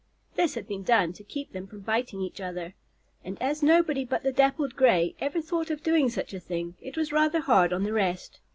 This had been done to keep them from biting each other, and as nobody but the Dappled Gray ever thought of doing such a thing, it was rather hard on the rest.